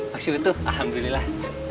pasti utuh alhamdulillah